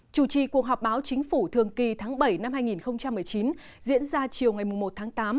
chủ trì cuộc họp báo chính phủ thường kỳ tháng bảy năm hai nghìn một mươi chín diễn ra chiều ngày một tháng tám